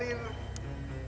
di dalam kelasmu